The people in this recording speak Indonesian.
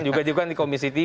juga juga di komisi tiga